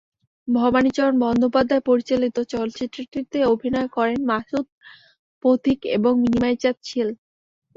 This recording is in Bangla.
ভবানীচরণ বন্দ্যোপাধ্যায় পরিচালিত চলচ্চিত্রটিতে অভিনয় করেন মাসুদ পথিক এবং নিমাইচাঁদ শীল।